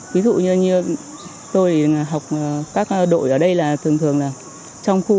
ví dụ như tôi thì học các đội ở đây là thường thường là trong khu